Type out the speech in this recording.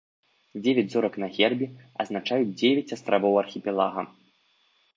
Дзевяць зорак на гербе азначаюць дзевяць астравоў архіпелага.